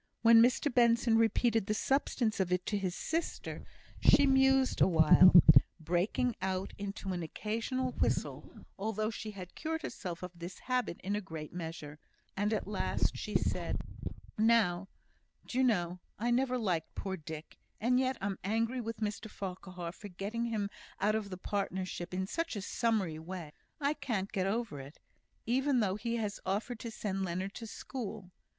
When Mr Benson repeated the substance of it to his sister, she mused awhile, breaking out into an occasional whistle (although she had cured herself of this habit in a great measure), and at last she said: "Now, do you know, I never liked poor Dick; and yet I'm angry with Mr Farquhar for getting him out of the partnership in such a summary way. I can't get over it, even though he has offered to send Leonard to school.